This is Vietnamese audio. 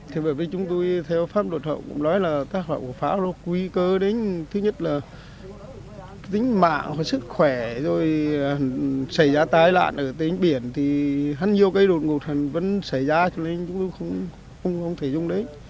thì bởi vì chúng tôi theo pháp luật hậu cũng nói là các loại của pháo nó quy cơ đến thứ nhất là tính mạng sức khỏe rồi xảy ra tai lạc ở tỉnh biển thì hẳn nhiều cái đột ngột vẫn xảy ra cho nên chúng tôi không thể dùng đấy